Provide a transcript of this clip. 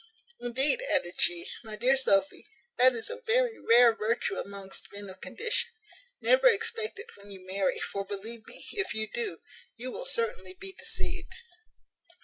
"Indeed," added she, "my dear Sophy, that is a very rare virtue amongst men of condition. Never expect it when you marry; for, believe me, if you do, you will certainly be deceived."